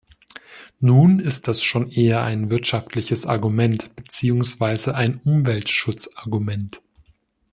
Nun ist das schon eher ein wirtschaftliches Argument beziehungsweise ein Umweltschutzargument.